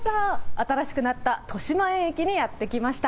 新しくなった豊島駅にやって来ました。